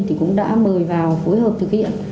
thì cũng đã mời vào phối hợp thực hiện